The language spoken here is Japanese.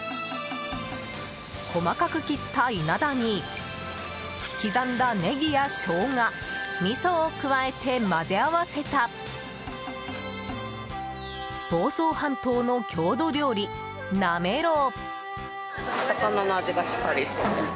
細かく切ったイナダに刻んだネギやショウガみそを加えて混ぜ合わせた房総半島の郷土料理、なめろう。